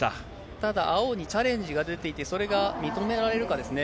ただ、青にチャレンジが出ていて、それが認められるかですね。